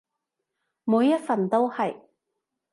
每一份都係